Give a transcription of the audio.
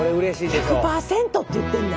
１００％って言ってんで。